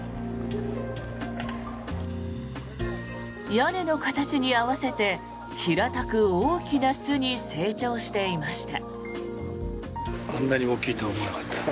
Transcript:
屋根の形に合わせて平たく大きな巣に成長していました。